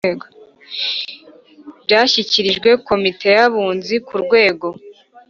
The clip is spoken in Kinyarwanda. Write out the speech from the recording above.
Byashyikirijwe komite y abunzi ku rwego